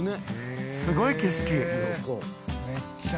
すごい景色。